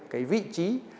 cái vị trí